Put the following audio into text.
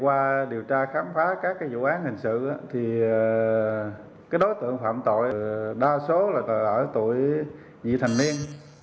qua điều tra khám phá các vụ án hình sự đối tượng phạm tội đa số là tội dị thành niên